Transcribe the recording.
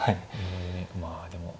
まあでも。